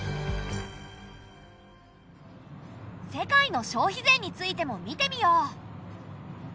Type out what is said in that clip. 世界の消費税についても見てみよう。